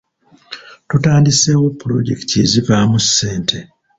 Tutandiseewo pulojekiti ezivaamu ssente .